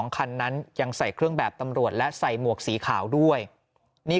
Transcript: คันนั้นยังใส่เครื่องแบบตำรวจและใส่หมวกสีขาวด้วยนี่